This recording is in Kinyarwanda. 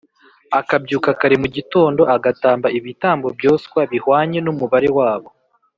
akabyuka kare mu gitondo agatamba ibitambo byoswa bihwanye n’umubare wabo,